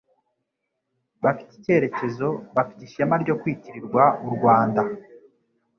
bafite ikerekezo, bafite ishema ryo kwitirirwa u Rwanda.